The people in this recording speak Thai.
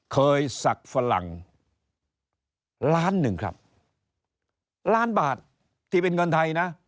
ศักดิ์ฝรั่งล้านหนึ่งครับล้านบาทที่เป็นเงินไทยนะ